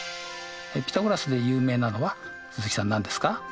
ピタゴラスで有名なのは鈴木さん何ですか？